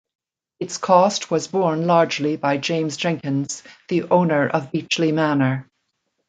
Its cost was borne largely by James Jenkins, the owner of Beachley Manor.